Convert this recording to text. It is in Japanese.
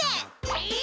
えっ？